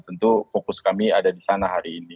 tentu fokus kami ada di sana hari ini